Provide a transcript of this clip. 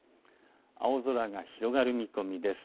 青空が広がる見込みです。